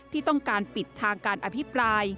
ที่ต้องการปิดทางการอภิปราย